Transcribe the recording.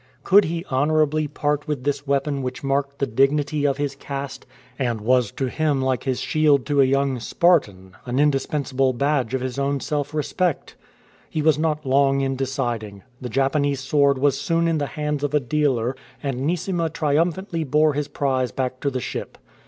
Could he honourably part with S3 ARRIVAL IN BOSTON this weapon which marked the dignity of his caste, and was to him like his shield to a young Spartan — an indis pensable badge of his own relf respect ? He was not long in deciding. The Japanese sword was soon in the hands of a dealer, and Neesima triumphantly bore his prize back to the ship.